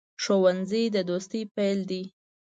ښوونځی د دوستۍ پیل دی